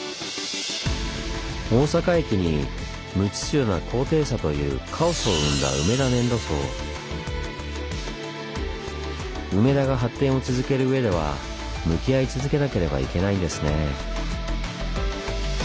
大阪駅に無秩序な高低差という梅田が発展を続けるうえでは向き合い続けなければいけないんですね。